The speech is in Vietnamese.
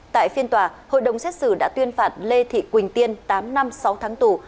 tại phiên tòa hội đồng xét xử đã tuyên phạt lê thị quỳnh tiên tám năm sáu tháng tù